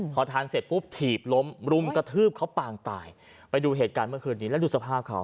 พอทานเสร็จปุ๊บถีบล้มรุมกระทืบเขาปางตายไปดูเหตุการณ์เมื่อคืนนี้แล้วดูสภาพเขา